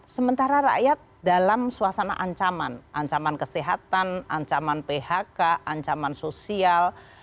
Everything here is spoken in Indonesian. sementara rakyat dalam suasana ancaman ancaman kesehatan ancaman phk ancaman sosial